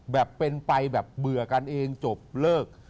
แบบเป็นไปแบบเบื่อกันเองจบเลิก